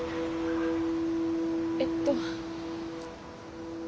えっと。